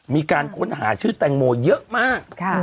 มีการค้นหาชื่อแตงโมเยอะมาก